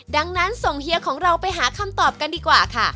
ดังนั้นส่งเฮียของเราไปหาคำตอบกันดีกว่าค่ะ